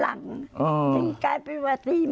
แล้วก็ขายไปว่า๔๔๐๐๐